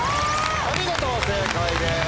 お見事正解です。